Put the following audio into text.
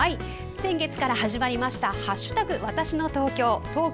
先月から始まりました「＃わたしの東京」。